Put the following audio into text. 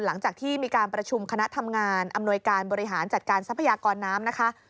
หลังจากที่มีการประชุมคณะทำงานอำนวยการบริหารจัดการทรัพยากรน้ำนะคะ